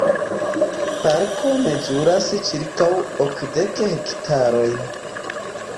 Parko mezuras ĉirkaŭ okdek hektarojn.